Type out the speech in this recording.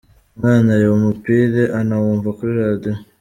Umwana areba umupira anawumva kuri Radio.